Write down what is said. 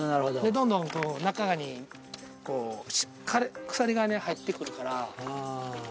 どんどん中にこう紊蠅入ってくるから。